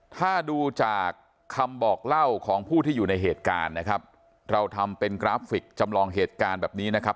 ถ้าดูจากคำบอกเล่าของผู้ที่อยู่ในเหตุการณ์นะครับเราทำเป็นกราฟิกจำลองเหตุการณ์แบบนี้นะครับ